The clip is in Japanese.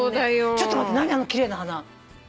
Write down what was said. ちょっと待って何あの奇麗な花。